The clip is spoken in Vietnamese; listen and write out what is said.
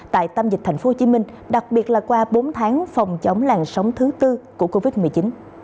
tại tâm dịch tp hcm đặc biệt là qua bốn tháng phòng chống làn sóng thứ tư của covid một mươi chín